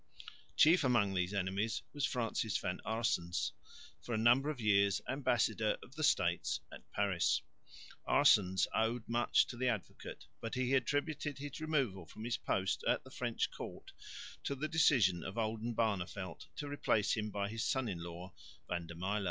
Chief among these enemies was Francis van Aerssens, for a number of years ambassador of the States at Paris. Aerssens owed much to the Advocate, but he attributed his removal from his post at the French court to the decision of Oldenbarneveldt to replace him by his son in law, Van der Myle.